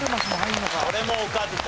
これもおかずと。